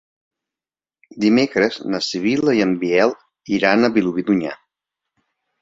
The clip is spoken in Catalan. Dimecres na Sibil·la i en Biel iran a Vilobí d'Onyar.